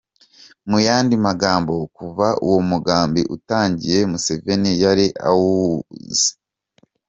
Mu yandi magambo, kuva uwo mugambi utangiye Museveni yari awuzi.